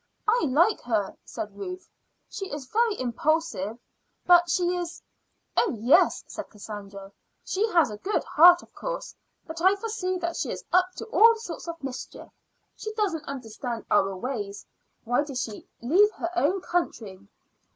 "I like her," said Ruth. "She is very impulsive, but she is " "Oh, yes," said Cassandra, "she has a good heart, of course; but I foresee that she is up to all sorts of mischief. She doesn't understand our ways. Why did she leave her own country?"